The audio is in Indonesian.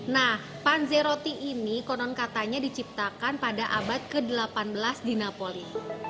nah panzeroti ini konon katanya diciptakan pada abad ke delapan belas di napoli